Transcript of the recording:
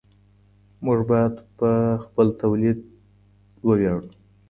موږ باید په خپل تولید ویاړو.